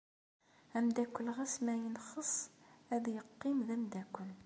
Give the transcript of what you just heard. Amdakel ɣas ma yenxeṣṣ, ad yeqqim d amdakel.